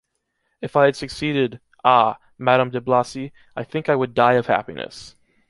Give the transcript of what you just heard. If I had succeeded Ah! Madame de Blacy, I think I would die of happiness.